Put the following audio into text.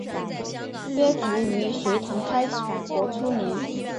约卒于隋朝开国初年。